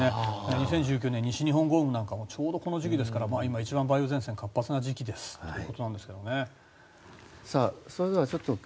２０１９年、西日本豪雨もちょうどこの時期でしたから今一番梅雨前線が活発な時期ということなんでしょうね。